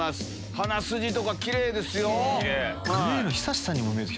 鼻筋とかキレイですよ。